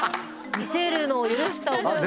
見せるのを許した覚えはない。